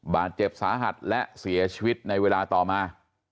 บาดเจ็บสาหัสและเสียชีวิตในเวลาต่อมา